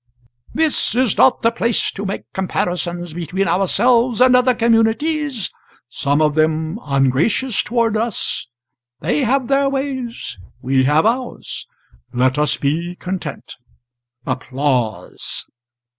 "] This is not the place to make comparisons between ourselves and other communities some of them ungracious towards us; they have their ways, we have ours; let us be content. [Applause.